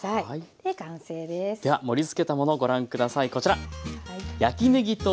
では盛りつけたものご覧下さいこちら。